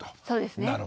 そうですね。